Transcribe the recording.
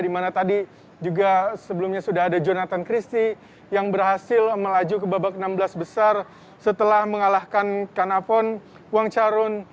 di mana tadi juga sebelumnya sudah ada jonathan christie yang berhasil melaju ke babak enam belas besar setelah mengalahkan kanapon wangcarun